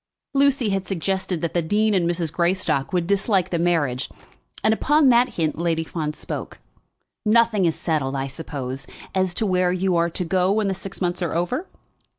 Lucy had suggested that the dean and Mrs. Greystock would dislike the marriage, and upon that hint Lady Fawn spoke. "Nothing is settled, I suppose, as to where you are to go when the six months are over?"